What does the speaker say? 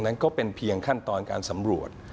นั้นก็เป็นเพียงขั้นตอนการสำรวจ